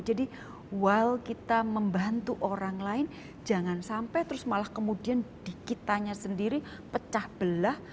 jadi while kita membantu orang lain jangan sampai terus malah kemudian dikit tanya sendiri pecah belah